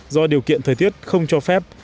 do điều kiện thời tiết không cho phép